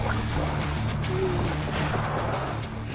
kepala kepala kepala